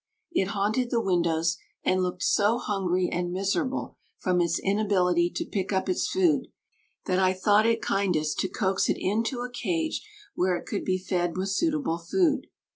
It haunted the windows, and looked so hungry and miserable from its inability to pick up its food, that I thought it kindest to coax it into a cage where it could be fed with suitable food.